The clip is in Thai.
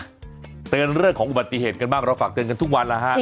เตือนเรื่องของอุบัติเหตุกันบ้างเราฝากเตือนกันทุกวันแล้วฮะ